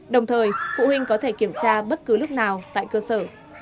đồng thời phụ huynh có thể kiểm tra bất cứ lúc nào tại cơ sở